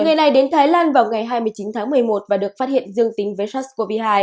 người này đến thái lan vào ngày hai mươi chín tháng một mươi một và được phát hiện dương tính với sars cov hai